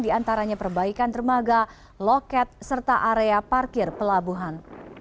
di antaranya perbaikan dermaga loket serta area parkir pelabuhan